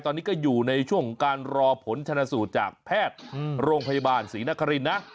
ตอนนี้ก็อยู่ในช่วงของการรอผลชนะสูตรจากแพทย์โรงพยาบาลศรีนครินนะ